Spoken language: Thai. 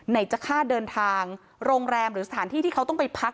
จะค่าเดินทางโรงแรมหรือสถานที่ที่เขาต้องไปพัก